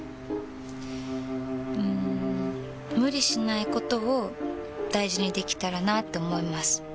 うん無理しないことを大事にできたらなって思います。